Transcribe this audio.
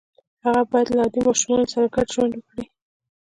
هغه باید له عادي ماشومانو سره ګډ ژوند وکړي